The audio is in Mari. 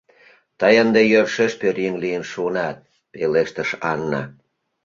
— Тый ынде йӧршеш пӧръеҥ лийын шуынат, — пелештыш Анна.